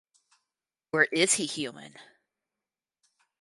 Or is he human?